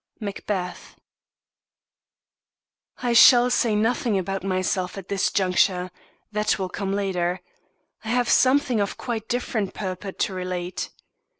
Macbeth. I shall say nothing about myself at this juncture. That will come later. I have something of quite different purport to relate.